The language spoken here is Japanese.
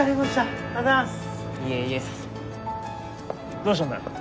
どうしたんだよ？